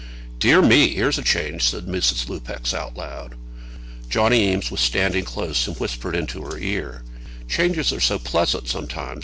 "Dear me! Here's a change," said Mrs. Lupex, out loud. Johnny Eames was standing close, and whispered into her ear, "Changes are so pleasant sometimes!